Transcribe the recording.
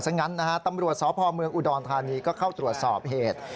ซึ่งงั้นตำรวจสพมอุดรธานีก็เข้าตรวจสอบเหตุ